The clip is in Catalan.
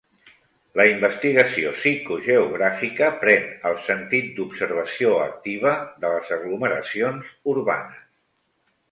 La investigació psicogeogràfica pren el sentit d'observació activa de les aglomeracions urbanes.